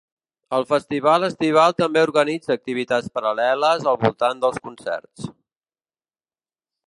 El festival estival també organitza activitats paral•leles al voltant dels concerts.